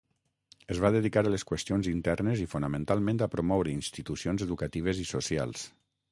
Es va dedicar a les qüestions internes i fonamentalment a promoure institucions educatives i socials.